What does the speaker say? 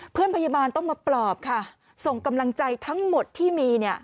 พยาบาลต้องมาปลอบค่ะส่งกำลังใจทั้งหมดที่มีเนี่ย